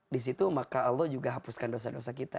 di situ maka allah juga hapuskan dosa dosa kita